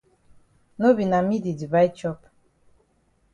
No be na me di divide chop.